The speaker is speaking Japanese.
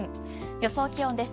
予想気温です。